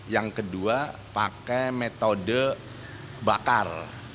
yang kedua pakai metode bakar